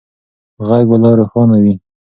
غږ به لا روښانه وي.